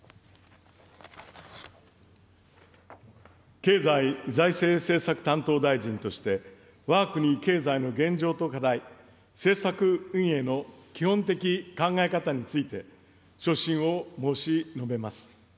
経済財政政策担当大臣として、わが国経済の現状と課題、政策運営の基本的考え方について、所信を申し述べます。